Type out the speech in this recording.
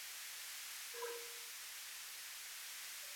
主机埠介面的沟通介面。